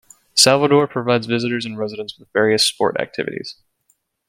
Salvador provides visitors and residents with various sport activities.